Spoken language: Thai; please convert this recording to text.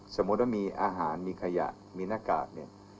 สมมุติว่ามีอาหารมีขยะมีหน้ากากเนี่ย